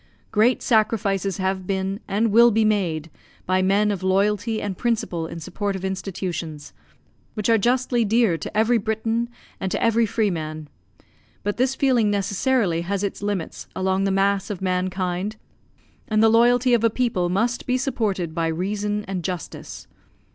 Great sacrifices have been, and will be made, by men of loyalty and principle in support of institutions, which are justly dear to every Briton and to every freeman; but this feeling necessarily has its limits among the mass of mankind; and the loyalty of a people must be supported by reason and justice.